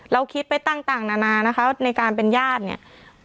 คิดไปต่างนานานะคะในการเป็นญาติเนี่ย